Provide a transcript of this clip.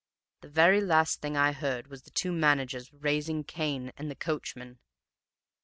The very last thing I heard was the two managers raising Cain and the coachman.